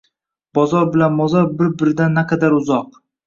Bozor bilan Mozor bir-birdan naqadar uzoq.